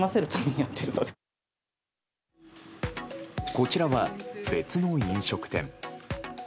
こちらは別の飲食店。